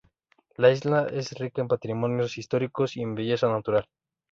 La isla es rica en patrimonios históricos y en belleza natural.